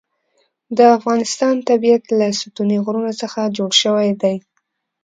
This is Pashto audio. د افغانستان طبیعت له ستوني غرونه څخه جوړ شوی دی.